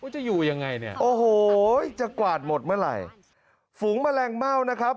จะอยู่ยังไงเนี่ยโอ้โหจะกวาดหมดเมื่อไหร่ฝูงแมลงเม่านะครับ